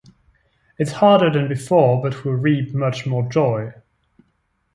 It's harder than before; but we reap much more joy.